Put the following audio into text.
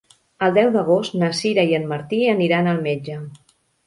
El deu d'agost na Sira i en Martí aniran al metge.